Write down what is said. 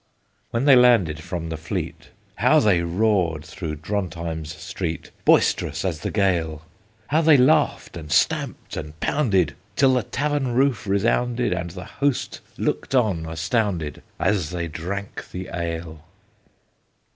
When they landed from the fleet, How they roared through Drontheim's street, Boisterous as the gale! How they laughed and stamped and pounded, Till the tavern roof resounded, And the host looked on astounded As they drank the ale!